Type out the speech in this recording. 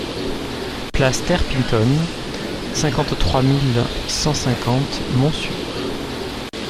Place Terrepintonne, cinquante-trois mille cent cinquante Montsûrs